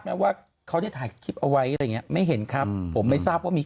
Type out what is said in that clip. แม้ว่าเขาได้ถ่ายคลิปเอาไว้ไม่เห็นครับผมไม่ทราบว่ามี